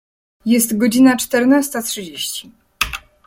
Jest godzina czternasta trzydzieści.